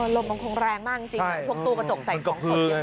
ลมมันคงแรงมากจริงพวกตู้กระจกแตกของขนตรี